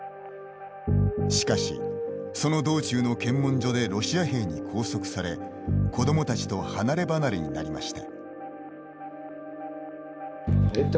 しかし、その道中の検問所でロシア兵に拘束され子どもたちと離れ離れになりました。